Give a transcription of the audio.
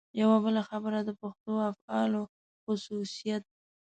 یوه بله خبره د پښتو افعالو خصوصیت.